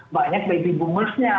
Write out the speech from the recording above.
banyak baby boomersnya